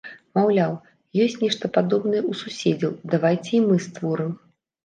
Маўляў, ёсць нешта падобнае ў суседзяў, давайце і мы створым!